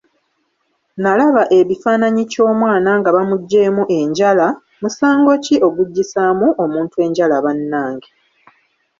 Nalaba ebifaananyi ky’omwana nga bamuggyeemu enjala, musango ki oguggyisaamu omuntu enjala bannange?